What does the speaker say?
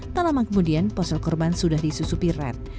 tak lama kemudian ponsel korban sudah disusupi red